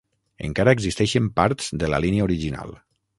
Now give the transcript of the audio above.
Encara existeixen parts de la línia original.